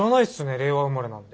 令和生まれなんで。